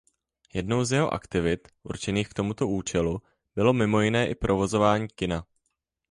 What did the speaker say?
Jednou z jeho aktivit určených k tomuto účelu bylo mimo jiné provozování kina.